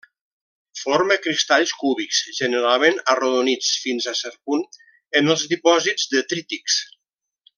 Forma cristalls cúbics, generalment arrodonits fins a cert punt en els dipòsits detrítics.